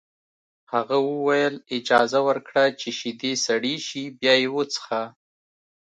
هغه وویل اجازه ورکړه چې شیدې سړې شي بیا یې وڅښه